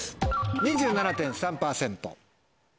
「２７．３％」。